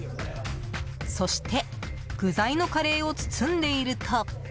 そして、具材のカレーを包んでいると。